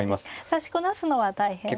指しこなすのは大変ですか。